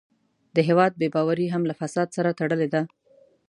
د هېواد بې باوري هم له فساد سره تړلې ده.